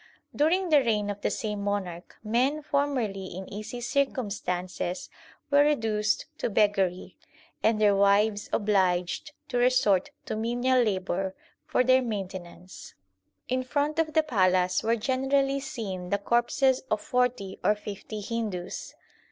During the reign of the same monarch men formerly in easy circumstances were reduced to beggary, and their wives obliged to resort to menial labour for their main tenance. In front of the palace were generally seen the corpses of forty or fifty Hindus.